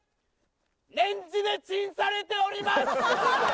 レンジでチンされております